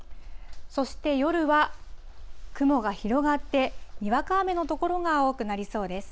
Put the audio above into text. そして夜は、雲が広がって、にわか雨の所が多くなりそうです。